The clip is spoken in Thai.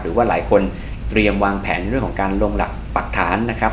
หรือว่าหลายคนเตรียมวางแผนในเรื่องของการลงหลักปรักฐานนะครับ